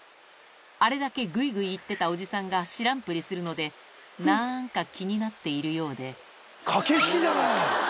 あれだけグイグイ行ってたおじさんが知らんぷりするのでなんか気になっているようで駆け引きじゃない！